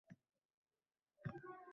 Ko’zning kiprik tili, yosh tili